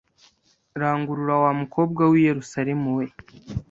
Rangurura wa mukobwa w'i Yerusalemu we